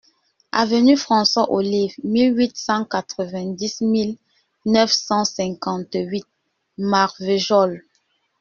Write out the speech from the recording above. Avenue François Olive (mille huit cent quatre-vingt-dix-mille neuf cent cinquante-huit), Marvejols